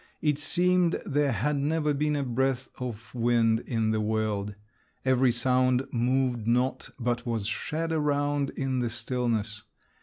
It seemed there had never been a breath of wind in the world. Every sound moved not, but was shed around in the stillness.